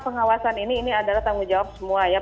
pengawasan ini adalah tanggung jawab semua